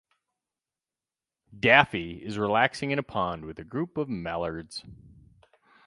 Daffy is relaxing in a pond with a group of mallards.